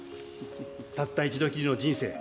たった一度きりの人生。